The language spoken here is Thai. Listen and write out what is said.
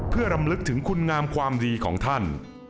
เพื่อรำลึกถึงคุณงามความดีของท่าน